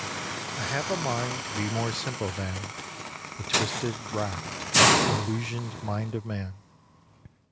I have a mind to be more simple than The twisted, racked, illusioned mind of man.